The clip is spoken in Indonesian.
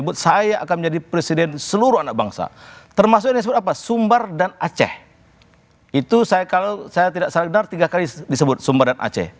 tiga kali disebut sumbar dan aceh